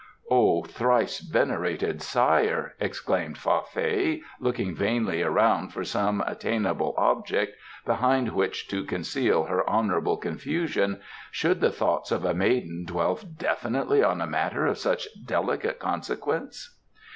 "Oh, thrice venerated sire!" exclaimed Fa Fei, looking vainly round for some attainable object behind which to conceal her honourable confusion, "should the thoughts of a maiden dwell definitely on a matter of such delicate consequence?"